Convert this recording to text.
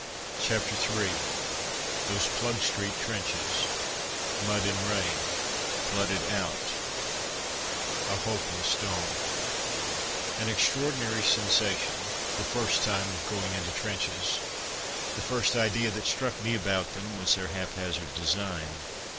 CHAPTER III THOSE PLUGSTREET TRENCHES MUD AND RAIN FLOODED OUT A HOPELESS DAWN An extraordinary sensation the first time of going into trenches. The first idea that struck me about them was their haphazard design.